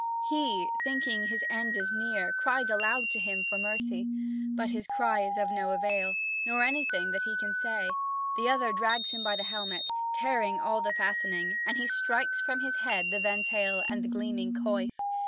He, thinking his end is near, cries aloud to him for mercy; but his cry is of no avail, nor anything that he can say. The other drags him by the helmet, tearing all the fastening, and he strikes from his head the ventail and the gleaming coif.